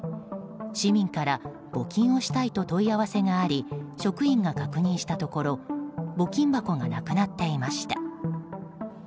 市民から募金をしたいと問い合わせがあり職員が確認したところ募金箱がなくなっていました。